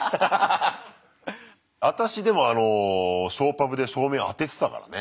私でもショーパブで照明あててたからね。